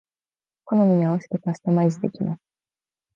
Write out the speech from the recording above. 好みに合わせてカスタマイズできます